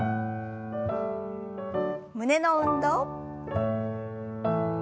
胸の運動。